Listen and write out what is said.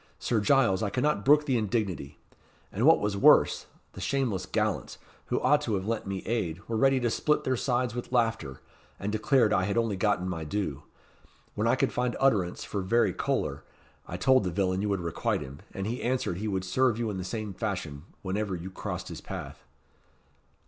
Sir Giles, I cannot brook the indignity. And what was worse, the shameless gallants, who ought to have lent me aid, were ready to split their sides with laughter, and declared I had only gotten my due. When I could find utterance for very choler, I told the villain you would requite him, and he answered he would serve you in the same fashion, whenever you crossed his path."